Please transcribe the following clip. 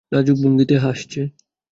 লাজুক ভঙ্গিতে হাসছে।